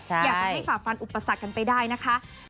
อยากจะให้ฝ่าฟันอุปสรรคกันไปได้นะคะ